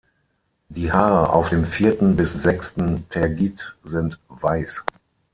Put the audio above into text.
Die Haare auf dem vierten bis sechsten Tergit sind weiß.